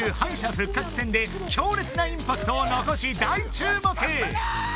復活戦で強烈なインパクトを残し大注目